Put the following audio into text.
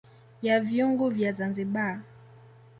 Ya vyungu vya Zanzibar